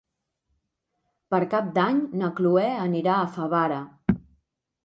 Per Cap d'Any na Cloè anirà a Favara.